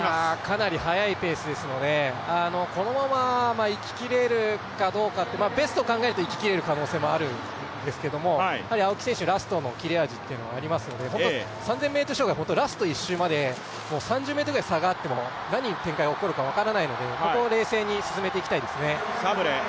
かなり速いペースですので、このままいききれるかどうか、ベストを考えると行ききれる可能性はありますけれども青木選手、ラストの切れ味というのはありますので３０００ｍ障害、ラスト１周まで３０ｍぐらい差があっても何が起こるか分からないのでここは冷静に進めていきたいですね。